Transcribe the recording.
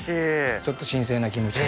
ちょっと神聖な気持ちに。